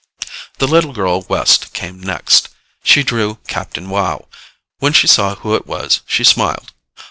The little girl West came next. She drew Captain Wow. When she saw who it was, she smiled.